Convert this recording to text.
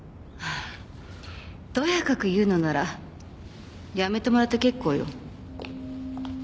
とやかく言うのなら辞めてもらって結構よ。